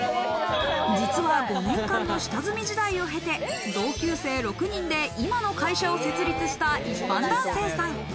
実は５年間の下積み時代を経て、同級生６人で今の会社を設立した一般男性さん。